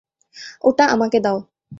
ওটা আমাকে দাও।